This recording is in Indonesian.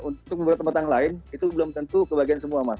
nah untuk tempat tempat lain itu belum tentu kebagian semua mas